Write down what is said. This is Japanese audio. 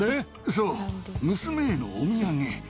そう、娘へのお土産。